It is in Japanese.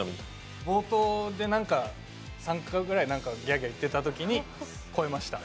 冒頭で３回ぐらいギャーギャー言ってたときに超えました。